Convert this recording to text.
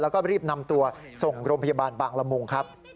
แล้วก็รีบนำตัวส่งโรงพยาบาลบางละมุงครับ